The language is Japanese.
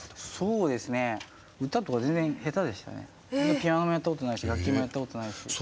ピアノもやった事ないし楽器もやった事ないし。